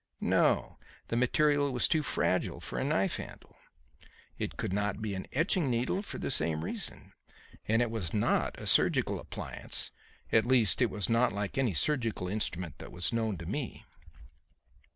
No; the material was too fragile for a knife handle. It could not be an etching needle for the same reason; and it was not a surgical appliance at least it was not like any surgical instrument that was known to me.